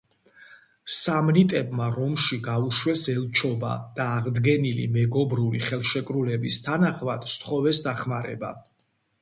სამნიტებმა რომში გაუშვეს ელჩობა, და აღდგენილი მეგობრული ხელშეკრულების თანახმად სთხოვეს დახმარება.